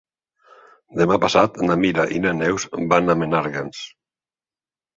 Demà passat na Mira i na Neus van a Menàrguens.